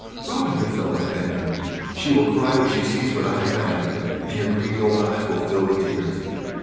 'Robin Goodfellow has been here!' she will cry when she sees what I have been after, and her greedy old eyes will fill with tears.